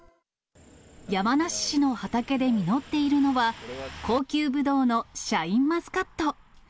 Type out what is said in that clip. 山梨市の畑で実っているのは、高級ブドウのシャインマスカット。